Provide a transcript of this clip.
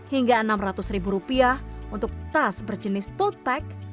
hingga enam ratus ribu rupiah untuk tas berjenis tote bag